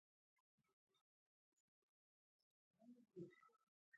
ګوزڼ هر کال په لکونو ماشومان بې خولې کوي.